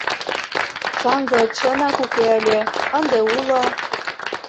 Шаҥге чынак уке ыле, ынде уло...